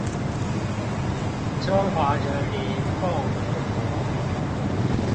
中華人民共和國